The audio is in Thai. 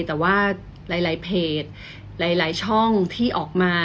แต่ว่าหลายเพจหลายช่องที่ออกมา